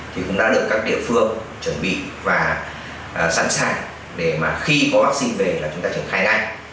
thì cũng đã được các địa phương chuẩn bị và sẵn sàng để mà khi có vaccine về là chúng ta triển khai ngay